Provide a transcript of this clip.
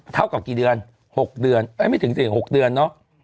เท่ากับกี่เดือน๖เดือนไม่ถึง๔๖เดือนเนอะ